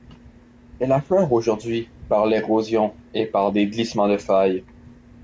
Elle affleure aujourd'hui par l'érosion et par des glissements de failles.